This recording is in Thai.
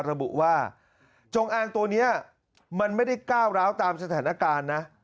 ระบุว่าจงอางตัวนี้มันไม่ได้ก้าวร้าวตามสถานการณ์นะ